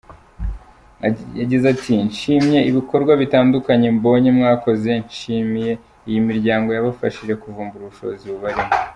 Yagize ati “Nshimye ibikorwa bitandukanye mbonye mwakoze, nshimiye iyi miryango yabafashije kuvumbura ubushobozi bubarimo.